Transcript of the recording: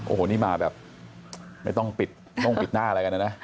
โอ้โหนี่มาแบบไม่ต้องปิดน่งปิดหน้าอะไรกันนะนะ